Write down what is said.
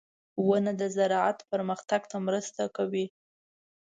• ونه د زراعت پرمختګ ته مرسته کوي.